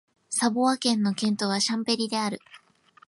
サヴォワ県の県都はシャンベリである